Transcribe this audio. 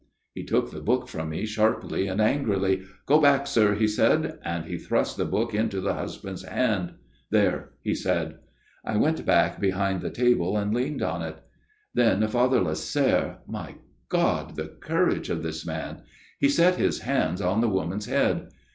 " He took the book from me, sharply and angrily. ' Go back, sir,' he said, and he thrust the book into the husband's hand. "' There/ he said. '* I went back behind the table and leaned on it. " Then Father Lasserre My God ! the cour age of this man ! he set his hands on the woman's head.